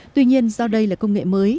tuy nhiên do đây là công nghệ mới